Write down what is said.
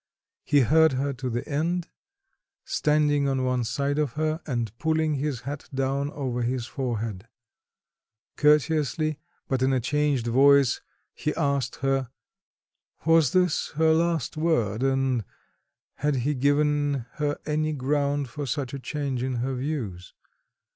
He heard her to the end, standing on one side of her and pulling his hat down over his forehead; courteously, but in a changed voice, he asked her, "Was this her last word, and had he given her any ground for such a change in her views?"